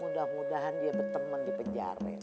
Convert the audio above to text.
mudah mudahan dia berteman di penjara